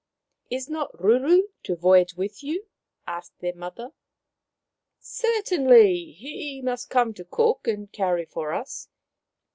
" Is not Ruru to voyage with you ?" asked their mother. " Certainly. He must come to cook and carry for us.